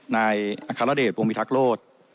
นายอัคฬาเดชปวงบิทักโลศ